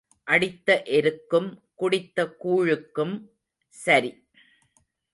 அடித்த எருக்கும் குடித்த கூழுக்கும் சரி.